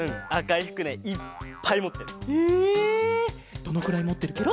どのくらいもってるケロ？